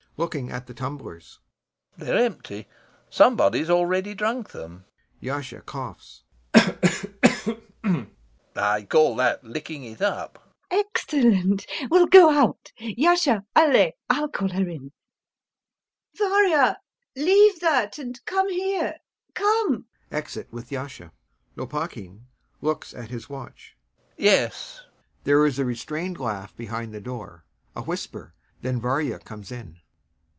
[Looking at the tumblers] They're empty, somebody's already drunk them. [YASHA coughs] I call that licking it up.... LUBOV. [Animated] Excellent. We'll go out. Yasha, allez. I'll call her in.... [At the door] Varya, leave that and come here. Come! [Exit with YASHA.] LOPAKHIN. [Looks at his watch] Yes.... [There is a restrained laugh behind the door, a whisper, then VARYA comes in.